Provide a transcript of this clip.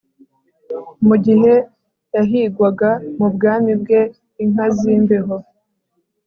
mugihe yahigwaga mubwami bwe inka zimbeho